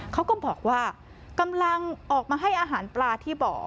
เขาก็บอกว่ากำลังออกมาให้อาหารปลาที่บ่อ